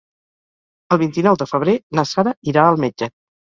El vint-i-nou de febrer na Sara irà al metge.